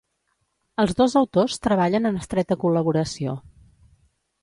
Els dos autors treballen en estreta col·laboració.